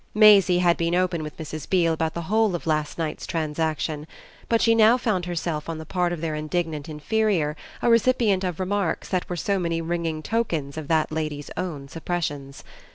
Maisie had been open with Mrs. Beale about the whole of last night's transaction; but she now found herself on the part of their indignant inferior a recipient of remarks that were so many ringing tokens of that lady's own suppressions.